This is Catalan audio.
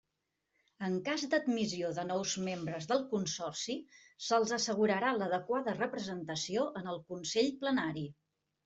En cas d'admissió de nous membres del Consorci, se'ls assegurarà l'adequada representació en el Consell Plenari.